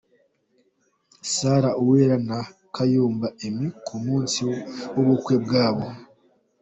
Sarah Uwera na Kayumba Aime ku munsi w'ubukwe bwabo.